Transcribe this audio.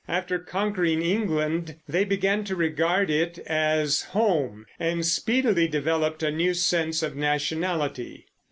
After conquering England they began to regard it as home and speedily developed a new sense of nationality.